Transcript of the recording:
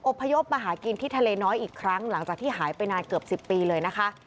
พยพมาหากินที่ทะเลน้อยอีกครั้งหลังจากที่หายไปนานเกือบ๑๐ปีเลยนะคะ